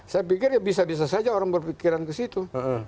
saya pikir ya bisa bisa saja orang berpikiran ke situ